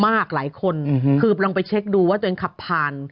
หลายคนคือลองไปเช็คดูว่าตัวเองขับผ่าน